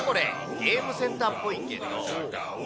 ゲームセンターっぽいけど。